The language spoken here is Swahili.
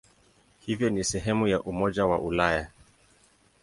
Hivyo ni sehemu ya Umoja wa Ulaya.